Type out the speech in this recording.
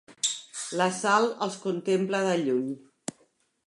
La Sal els contempla de lluny.